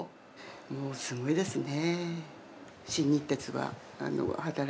もうすごいですね。